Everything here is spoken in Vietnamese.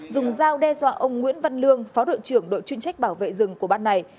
dùng dao đe dọa ông nguyễn văn lương phó đội trưởng đội chuyên trách bảo vệ rừng của ban này